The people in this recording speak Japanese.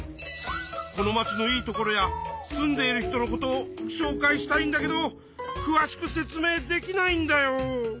このまちのいいところや住んでいる人のことをしょうかいしたいんだけどくわしく説明できないんだよ。